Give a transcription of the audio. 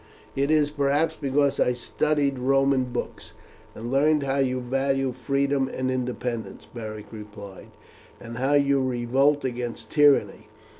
"It is, perhaps, because I studied Roman books, and learned how you value freedom and independence," Beric replied, "and how you revolt against tyranny.